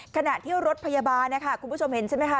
ขณะที่รถพยาบาลนะคะคุณผู้ชมเห็นใช่ไหมคะ